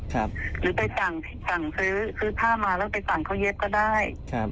หรือไปสั่งซื้อซื้อผ้ามาแล้วไปสั่งเขาเย็บก็ได้ครับ